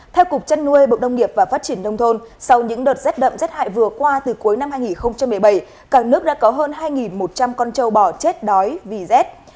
theo cục chân nuôi bộ đông nghiệp và phát triển nông thôn sau những đợt rét đậm rét hại vừa qua từ cuối năm hai nghìn một mươi bảy cả nước đã có hơn hai một trăm linh con trâu bò chết đói vì rét